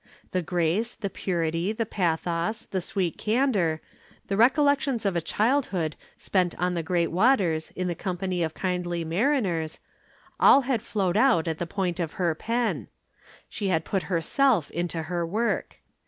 The grace, the purity, the pathos, the sweet candor, the recollections of a childhood spent on the great waters in the company of kindly mariners all had flowed out at the point of her pen. She had put herself into her work.